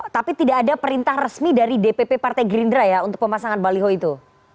tapi tidak ada perintah resmi dari dpp partai gerindra ya untuk pemasangan baliho itu